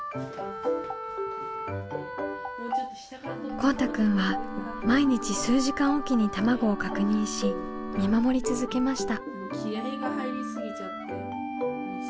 こうたくんは毎日数時間おきに卵を確認し見守り続けました。